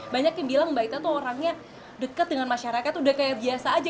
banyak yang bilang mbak ita tuh orangnya deket dengan masyarakat udah kayak biasa aja